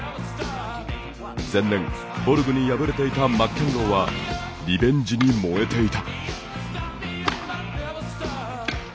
前年、ボルグに敗れていたマッケンローはリベンジに燃えていた。